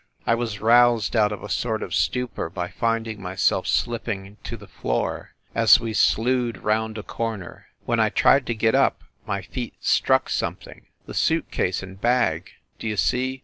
... I was roused out of a sort of stupor by finding myself slipping to the floor as we slewed round a corner. When I tried to get up my feet struck something the suit case and bag. Do you see?